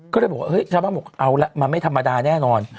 ก็เลยบอกว่าเฮ้ยชาวบ้านบอกเอาละมันไม่ธรรมดาแน่นอน